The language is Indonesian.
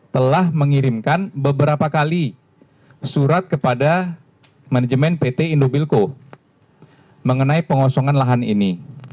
telah mengirimkan beberapa kali surat kepada manajemen pt indobilco mengenai pengosongan lahan ini